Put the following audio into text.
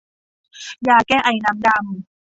ยาแก้ไอน้ำดำ